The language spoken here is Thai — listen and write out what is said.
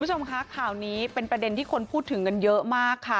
คุณผู้ชมคะข่าวนี้เป็นประเด็นที่คนพูดถึงกันเยอะมากค่ะ